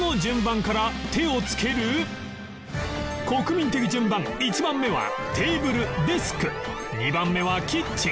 国民的順番１番目はテーブル・デスク２番目はキッチン